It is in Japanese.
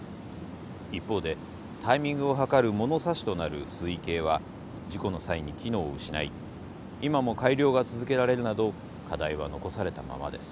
一方でタイミングをはかる物差しとなる水位計は事故の際に機能を失い今も改良が続けられるなど課題は残されたままです。